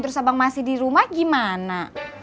terus abang masih di rumah gimana